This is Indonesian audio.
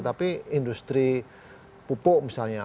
tapi industri pupuk misalnya